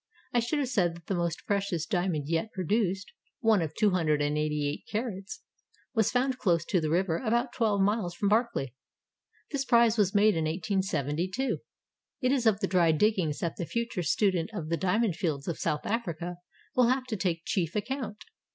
I should have said that the most precious diamond yet produced, one of 288 carats, was found close to the river about twelve miles from Barkly. This prize was made in 1872. It is of the dry diggings that the future student of the Diamond Fields of South Africa will have to take chief account.